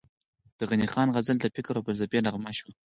د غني خان غزل د فکر او فلسفې نغمه شوه،